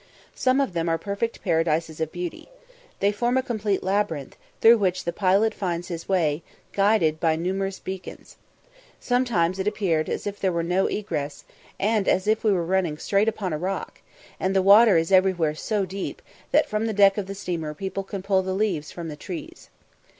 Some of them are perfect paradises of beauty. They form a complete labyrinth, through which the pilot finds his way, guided by numerous beacons. Sometimes it appeared as if there were no egress, and as if we were running straight upon a rock, and the water is everywhere so deep, that from the deck of the steamer people can pull the leaves from the trees.